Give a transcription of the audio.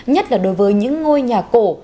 nhất là đối với những ngôi nhà cổ